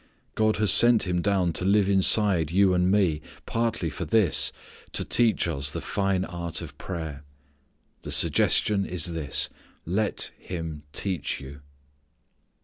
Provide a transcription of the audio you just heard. God has sent Him down to live inside you and me, partly for this, to teach us the fine art of prayer. The suggestion is this: let Him teach you.